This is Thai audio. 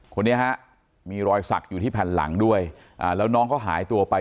คนนี้ฮะมีรอยสักอยู่ที่แผ่นหลังด้วยแล้วน้องเขาหายตัวไป